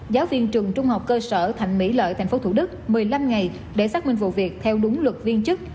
giáo viên trường trung học cơ sở thạnh mỹ lợi tp thủ đức một mươi năm ngày để xác minh vụ việc theo đúng luật viên chức